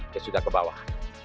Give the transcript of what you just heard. lima ratus juta ke bawah